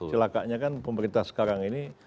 celakanya kan pemerintah sekarang ini